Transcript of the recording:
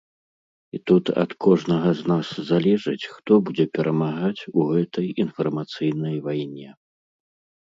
І тут ад кожнага з нас залежыць, хто будзе перамагаць у гэтай інфармацыйнай вайне.